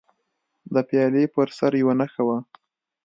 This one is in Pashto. د پیالې پر سر یوه نښه وه.